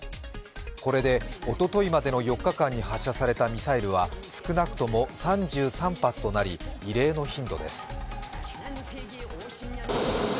これで、おとといまでの４日間に発射されたミサイルは、少なくとも３３発となり、異例の頻度です。